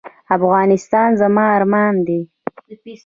افغانستان زما ارمان دی